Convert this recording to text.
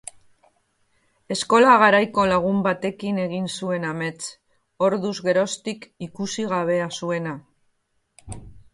Eskola garaiko lagun batekin egin zuen amets, orduz geroztik ikusi gabea zuena.